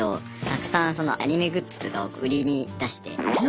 たくさんそのアニメグッズとかを売りに出して。